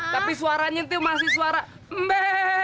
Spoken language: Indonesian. tapi suaranya itu masih suara mbe